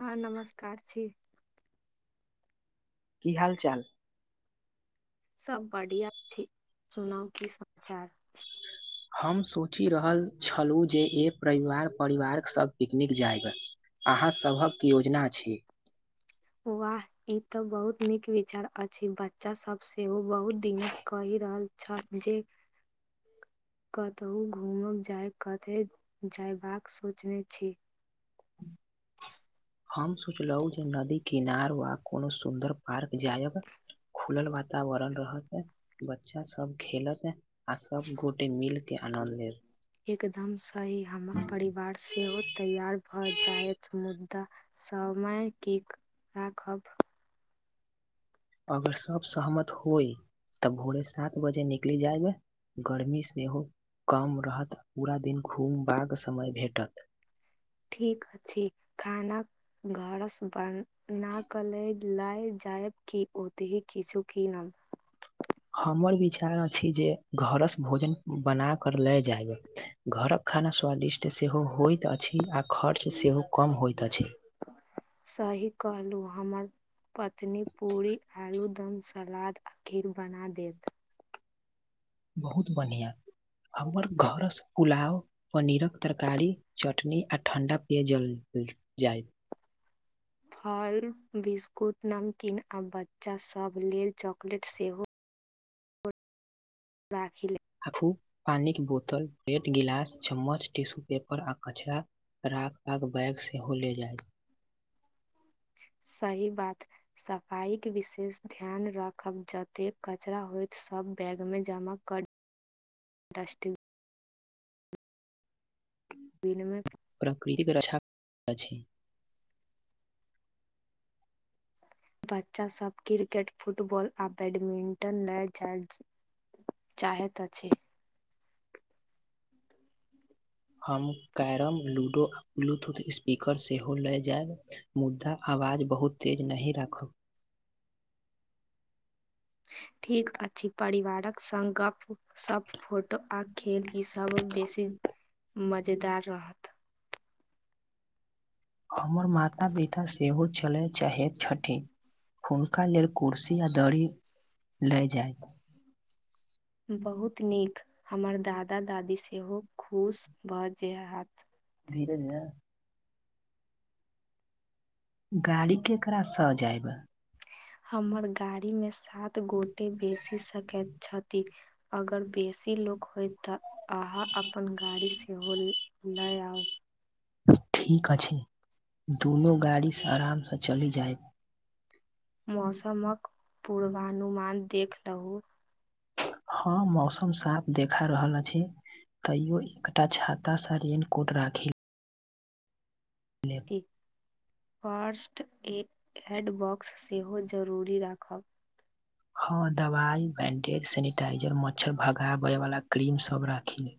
हँ नमस्कार छी। की हाल चाल सब बढ़िआँ छै, सुनउ की समाचार हम सोचि रहल छलहुँ जे, एक परिवार -परिवार सब पिकनिक जायब अहाँ सभक योजना छी, वाह ई तऽ, बहुत नीक विचार अछि बच्चा सब सेहो बहुत दिनसँ कहि रहल छथ जे कतहु घूमब जाय कतय जयबाक सोचने छी। हम सोचलहुँ जे नदी किनार वा कोनो सुन्दर पार्क जायब खुलल वातावरण रहत है बच्चा सब खेलत है आ सब गोटे मिलके आनन्द लेब। एकदम सही हमर परिवार सेहो तैयार भऽ जायत मुदा समय की राखब अगर सब सहमत होइ तऽ, भोरे सात बजे निकलि जायब गर्मी सेहो कम रहत पूरा दिन घूमबाक समय भेटत। ठीक अछि खाना घर सँ बन न कल लए जायब कि ओती किछु की नब हमर विचार अछि, जे घरस भोजन बना कर ले जायब घरक खाना स्वादिष्ट सेहो होइत अछि, आ खर्च सेहो कम होइत अछि। सही कहलहुँ हमर पत्नी पूरी आलूदम् सलाद आ खीर बना देत बहुत बढ़आं हमर घरस पुलाव पनीरक तरकारी चटनी आ ठण्डा पेयजल जाय फल बिस्कुट नमकीन आ बच्चासभ लेल चॉकलेट सेहो राखिले राखु पानिक के बोतल पेट गिलास चम्मच टिशू पेपर आ कचरा राख पाग बैग सेहो ले जायत सही बात सफाई के विशेष ध्यान राखब जतेक कचरा होयइत सभ बैग मे जमा कर ह डस्टंग बिनमेक प्रकृतिक रचा अछि। बच्चा सब क्रिकेट फुटबॉल आ बैडमिंटन लए जाज चाहेत अछि। हम कैरम लूडो आ ब्लूटूथ स्पीकर सेहो ले जेब मुदा आवाज बहुत तेज नहि राखब ठीक अछि परिवारक संग गप-सप फोटो आ खेल ई सब बेसी मजेदार रहत हमर माता-पिता सेहो छलै चाहैत छथिन हुनका लेल कुर्सी आ दड़ी लै जाइब बहुत नीक हमर दादा-दादी सेहो खुश भऽ जे हेत धीरे-धीरे गाड़ी केकरा सऽ जैब हमर गाड़ी मे सात गोटे बेसि सकैत छथि अगर बेसी लोक होयत तऽ अहाँ अपन गाड़ी सेहो ल ले आउ ठीक अछि दुनू गाड़ी से आराम सऽ चलि जायब मौसमक पूर्वानुमान देख लहु हाँ मौसम साफ देखा रहल अछि। तैयो एकटा छातासँ रेनकोट राखी ठीक फर्स्ट ए एडबॉक्स सेहो जरूरी राखब हाँ दवाई बैंडेज सेनिटाइजर मच्छर भगाबैवला क्रीम सब राखि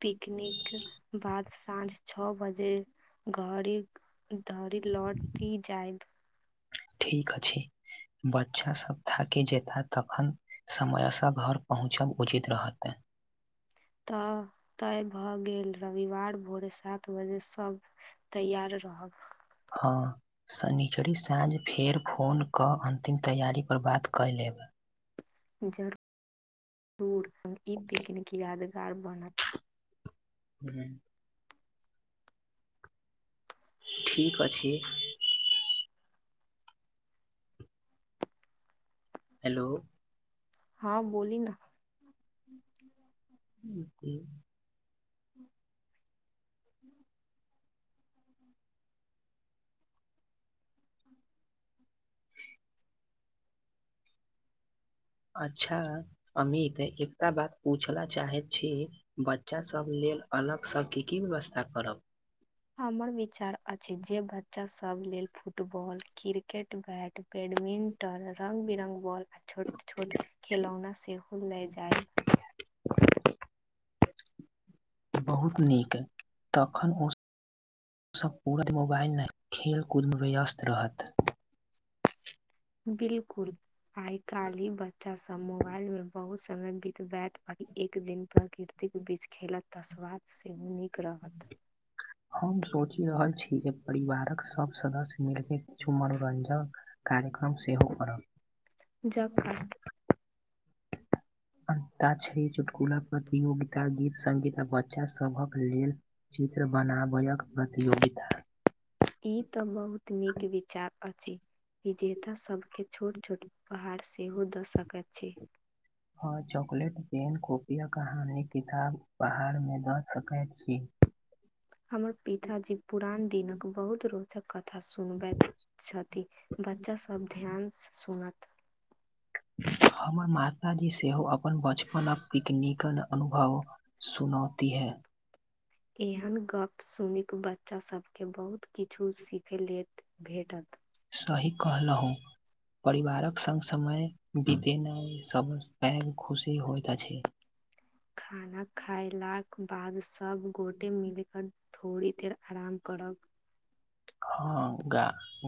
पिकनिक बाद साँझ छः बजे घड़ीक धरी लोटी जाएब ठीक अछि बच्चा सबथाकि जेता तखन समयसँ घर पहुँचब उचित रहतै तऽ तय भऽ गेल रविवार भोरे सा- त बजे सब तैयार रहब हऽ शनिचरी साँझ फेर फोन कऽ अन्तिम तैयारी पर बात कएऽ लेब जर--रूर ई पिकनिक यादगार बनत हुँ ठीक अछि हेलो हऽ बोली न जी कहियो अच्छा अमित एकटा बात पूछले चाहैत छी बच्चासब लेल अलगसँ की की व्यवस्था करब हमर बिचार अछि जे बच्चा सब लेल फुटबॉल क्रिकेट बैट बैडमिंटन रंग-बिरंग बॉल आ छोट-छोट खेलौना सेहो ले जायब बहुत नीक तखन ओस सब पूरा दिन मोबाईल नै खेलकूदमे व्यस्त रहत बिलकुल आई-काली बच्चा सब मोबाइल मे बहुस समय बीतबैत आ एक दिन प्रकृतिक बीच खेलत तसबात सेहो नीक रहत हम सोचि रहल छी जे परिवारक सब सदस्य मिलके किछो मनोरंजक कार्यक्रम सेहो करब। जँका अन्ताक्षरी, चुटकुला प्रतियोगिता, गीत संगीत आ बच्चा सभक लेल चित्र बनाबैयक प्रतियोगिता। ई तऽ बहुत नीक विचार अछि। विजेता सबके छोट-छोट उपहार सेहो दऽ सकैत छी। हँ चॉकलेट, पेन-कॉपी आ कहानी किताब बाहर में दऽ सकैत छी। हमर पिथा जी पुरान दिनक बहुत रो छ, कथा सुनबैत छथि, बच्चा सब ध्यान स सुनत। हमर माताजी सेहो अपन बचपनक पिकनिकक अनुभव सुनौती है। केहन गप सुनिकऽ बच्चा सबके बहुत किछु सीखै लेत भेटत। सही कहलौं हुं। परिवारक संग समय बितेनाइ सब पैघ खुशी होइत अछे। खाना खायलाक बाद सब गोटे मिल क थोड़ी देर आराम करब। हाँ, गा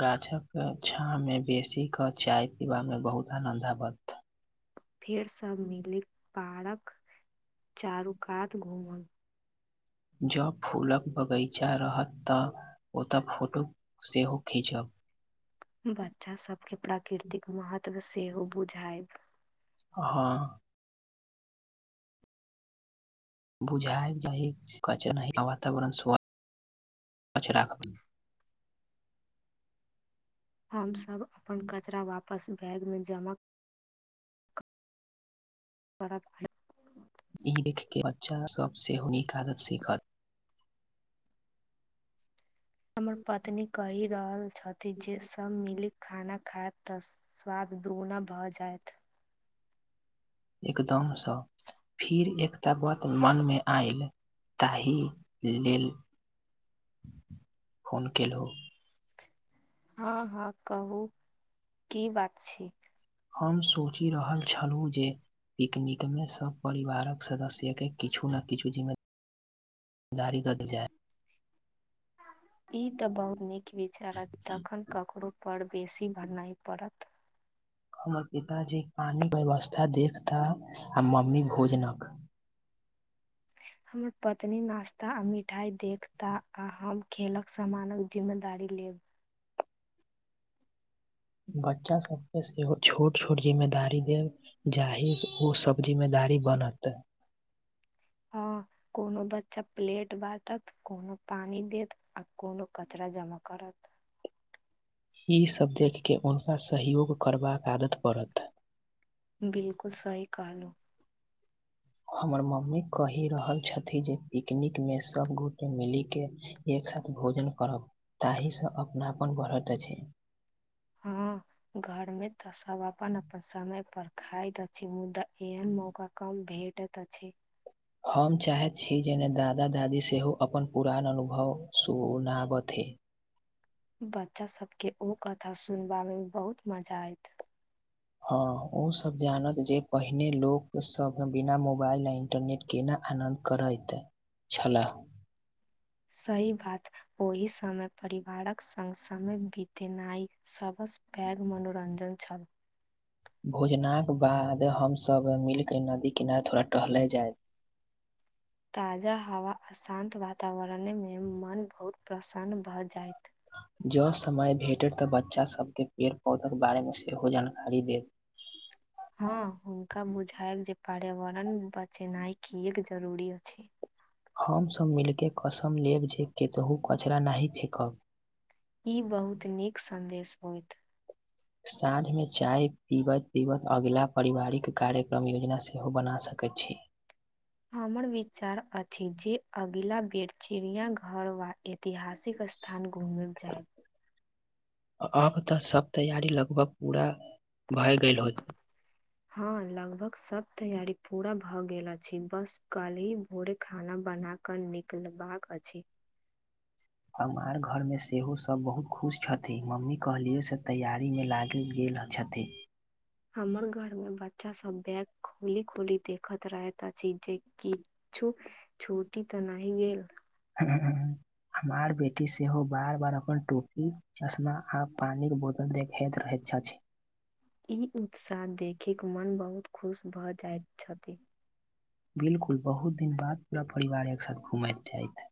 गाछक के छाॅं मे बेसी क चाय पीबा में बहुत आनंद आबत फेर सब मिलैक पारक चारू कात घूमल। जँ फूलक बगैचा रहत तऽ ओतऽ फोटो सेहो खीचब। बच्चा सब के प्राकिरतिक महत्व सेहो बुझाइब। हं। बुझाइब जाहि कचो नाहि, वातावरण स्व च्छ राख हमसब अपन कचरा वापस बैग में जमा करड़ हइ ईहि देख के बच्चा सब सेहो नीक आदत सीखत। हमर पत्नी कहि रहल छथि जे सभ मिलि खाना खायएत त स्वाद दुगुना भऽ जायत। एकदम सँ फिर एकटा बात मन में आइल। ताहि लेल फोन केलौं। हँ-हँ कहू, की बात छैय? हम सोचि रहल छलूॅं जे पिकनिक में सब परिवारक सदस्य के किछू न किछु जिम्मे दारी द देल जाइ। ई तऽ बहुत नीक विचार अत, तखन ककरो पर बेसी भार नाइ पड़त। हमर पिताजी पानी व्यवस्था देखता, आ मम्मी भोजनक। हमर पत्नी नास्ता आ मिठाई देखता, आ हम खेलक समानक जिम्मेदारी लेब। बच्चा सबके सेहो छोट छोट जिम्मेदारी देब जाहीक ओ सब जिम्मेदारी बनत। हँ। कोनो बच्चा प्लेट बाँटत, कोनो पानि देत, आ कोनो कचरा जमा करत। ई सब देख केऽ उनका सहयोग करबाक आदत पड़त। बिलकुल सही कहलौं। हमर मम्मी कहि रहल छथि जे पिकनिक मे सब गोटे मिली के एक साथ भोजन करब, ताहिसँ अपनापन बढ़ैत अछि। हं घर में तऽ सब अपन-अपन समय पर खायत अ छि मुदा एहन मौका कम भेटत अछि। हम चाहैत छी जे नहि दादा, दादी सेहो अपन पुरान अनुभव सुनाबथी। बच्चा सब के ओ कथा सुनबा में बहुत मजा आयत। हं ओ सब जानत जे, पहिने लोक सब बिना मोबाइल या इंटरनेट केना आनन्द करैत छलाह। सही बात ओहि समय परिवारक संग समय बितेनाइ सब बस [unintelligible] मनोरंजन छल। भोजनाक बाद हमसब मिल क नदी किनार थोड़ा टहले जाय ताजा हवा आ शान्त वातावरणे मे मन बहुत प्रसन्न भऽ जाइत। ज्यों समय भेटत तऽ बच्चासबकेँ पेड़ पौधाक बारेमे सेहो जानकारी देब हम्म हां हुनका बुझायब जे पर्यावरण बचेनाइ किएक जरूरी अछि। हमसब मिलकेऽ कसम लेब जे, केतहु कचरा नहि फेंकब। ई बहुत नीक संदेश होएत। साँझमे चाय पीबैत-पीबैत अगिला पारिवारिक कार्यक्रम योजना सेहो बना सकैत छी। हमर विचार अछि जे, अगिला बेड चिड़िया घर वाटे तिहासिक स्थान घूमे ल जाय। अब तऽ सब तैयारी लगभग पूरा भए गेल होएत। हँ लगभग सब तैयारी पूरा भए गेल अछि, बस कल ही भोरे खाना बना कल निकलबाक अछि। हमार घरमे सेहो सब बहुत खुश छथि, मम्मी कहलि य से तैयारीमे लागि गेल ह छथि। हमर घर में बच्चा सब, बैग खोली-खोली देखैत रहैत अछि जे किछु छोटी तऽ नहि गेल। हूं हमार बेटी सेहो बार बार अपन टोपी, चश्मा आ पानी के बोतल देखैत रहें छछि। ई उत्साह देखिक मन बहुत खुश भए जाय छथि। बिल्कुल बहुत दिन बाद पूरा परिवार एक साथ घूमत जायत अय।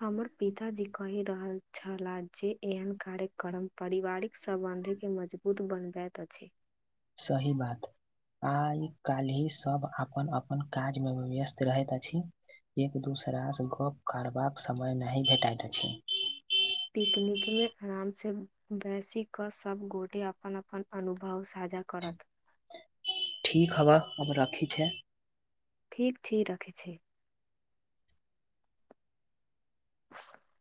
हमर पिताजी कहि रहल छलाह, जे एहन कार्यक्रम पारिवारिक सम्बन्ध के मजबूत बनबैत अछि। सही बात आइ काल्ही सब अपन-अपन काज मे व्यस्त रहैत अछि। एक दूसरासँ गप करबाक समय नहि भेटैत अछि। पिकनिक मे आराम से बैसी के सब गोटे अपन -अपन अनुभव स काजा करत। ठीक हबऽ अब राखी छै। ठीक छी रखै छी। [unintelligible]